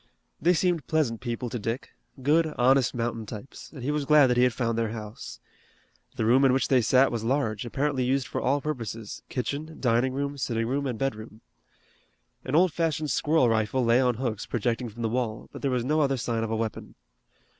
They seemed pleasant people to Dick, good, honest mountain types, and he was glad that he had found their house. The room in which they sat was large, apparently used for all purposes, kitchen, dining room, sitting room, and bedroom. An old fashioned squirrel rifle lay on hooks projecting from the wall, but there was no other sign of a weapon.